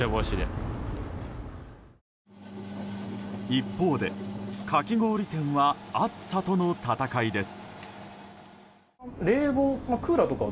一方で、かき氷店は暑さとの戦いです。